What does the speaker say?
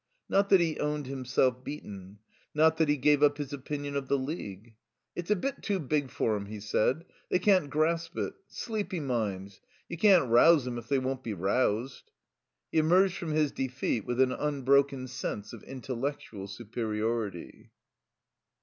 Not that he owned himself beaten; not that he gave up his opinion of the League. "It's a bit too big for 'em," he said. "They can't grasp it. Sleepy minds. You can't rouse 'em if they won't be roused." He emerged from his defeat with an unbroken sense of intellectual superiority.